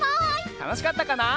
たのしかったかな？